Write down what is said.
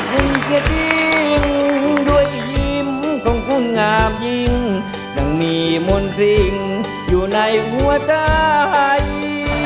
จังมีมนตริงอยู่ในหัวใจ